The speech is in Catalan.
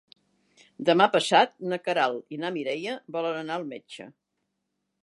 Demà passat na Queralt i na Mireia volen anar al metge.